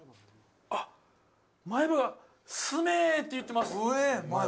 あっ、前歯が「住めー」って言ってます。